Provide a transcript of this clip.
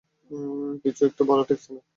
কিছু একটা ভালো ঠেকছে না।